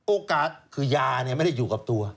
โอกาสคือยาไม่ได้อยู่กับตัว